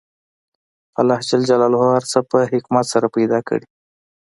الله ج هر څه په حکمت سره پیدا کړي